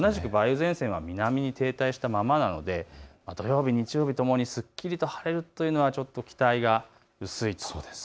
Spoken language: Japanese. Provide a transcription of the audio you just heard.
前線は南に停滞したままなので土曜日、日曜日ともにすっきりと晴れるというのはちょっと期待が薄いと。